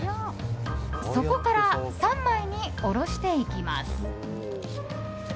そこから３枚に下ろしていきます。